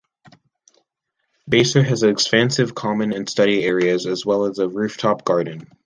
Basser has expansive common and study areas as well as a roof top garden.